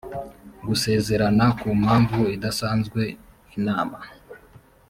gusezerana ku mpamvu idasanzwe inama